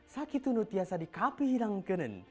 sakitun utiasa dikapi hidang genen